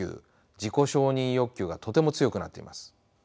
・自己承認欲求がとても強くなっています。